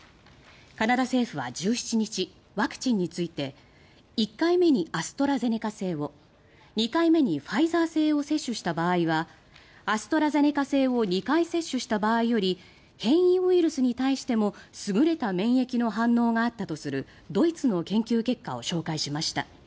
カナダ政府は１７日ワクチンについて１回目にアストラゼネカ製を２回目にファイザー製を接種した場合はアストラゼネカ製を２回接種した場合より変異ウイルスに対しても優れた免疫の反応があったとするドイツの研究結果を紹介しました。